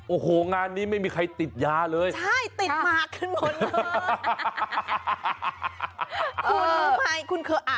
โอ้โหงานนี้ไม่มีใครติดยาเลยใช่ติดหมากกันหมดเลย